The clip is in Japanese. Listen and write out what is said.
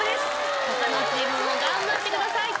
他のチームも頑張ってください。